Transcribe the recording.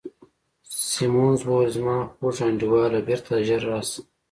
سیمونز وویل: زما خوږ انډیواله، بیرته ژر راشه.